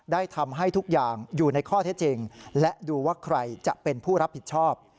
ได้ทำให้ทุกอย่างอยู่ในข้อเท็จจริงและดูว่าใครจะเป็นผู้รับผิดชอบ